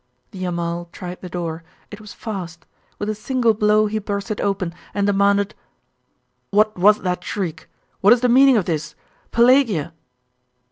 The Amal tried the door. It was fast. With a single blow he burst it open, and demanded 'What was that shriek? What is the meaning of this? Pelagia!